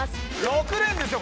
６年ですよ！